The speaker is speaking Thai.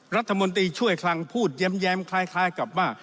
รัฐมนตรีช่วยคลังพูดแย้มคล้ายกับว่า